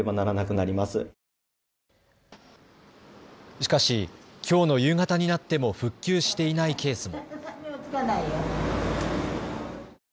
しかし、きょうの夕方になっても復旧していないケースも。